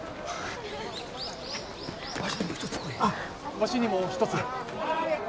わしにも１つ。